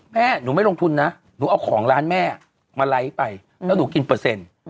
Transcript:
แม่หนูไม่ลงทุนนะหนูเอาของร้านแม่มาไลค์ไปแล้วหนูกินเปอร์เซ็นต์